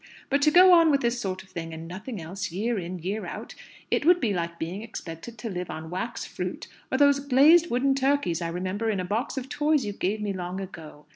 But to go on with this sort of thing and nothing else, year in, year out it would be like being expected to live on wax fruit, or those glazed wooden turkeys I remember in a box of toys you gave me long ago.